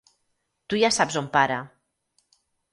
Tu ja saps on para.